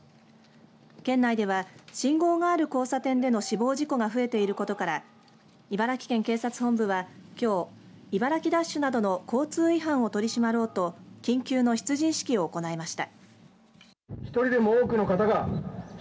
県内では信号がある交差点での死亡事故が増えていることから茨城県警察本部はきょう茨城ダッシュなどの交通違反を取り締まろうと緊急の出陣式を行いました。